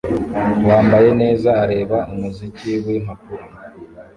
wambaye neza areba umuziki wimpapuro